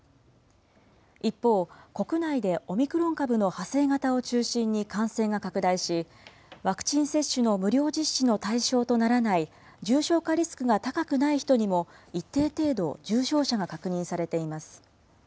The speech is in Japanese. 一方、国内でオミクロン株の派生型を中心に感染が拡大し、ワクチン接種の無料実施の対象とならない重症化リスクが高くない人にも一定程度、重症者が確認されています。